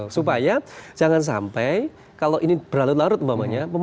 supaya jangan sampai kalau ini berlarut larut umpamanya